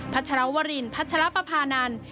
ัชรวรินพัชรปภานันทร์